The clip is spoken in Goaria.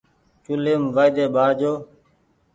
چوليم وآئيۮي ٻآڙ جو